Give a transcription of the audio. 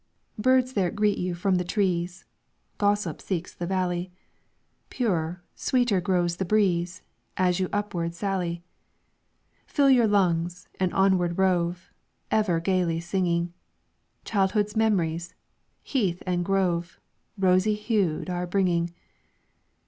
"Birds there greet you from the trees, Gossip seeks the valley; Purer, sweeter grows the breeze, As you upward sally. Fill your lungs, and onward rove, Ever gayly singing, Childhood's memories, heath and grove, Rosy hued, are bringing.